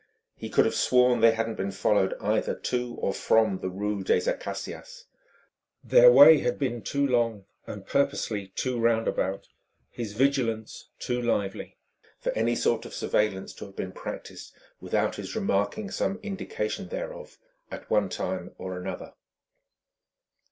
He could have sworn they hadn't been followed either to or from the rue des Acacias; their way had been too long and purposely too roundabout, his vigilance too lively, for any sort of surveillance to have been practised without his remarking some indication thereof, at one time or another.